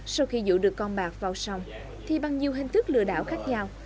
sau khi dụ được con bạc vào xong thì bằng nhiều hình thức lừa đảo khác nhau